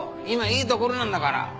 今いいところなんだから。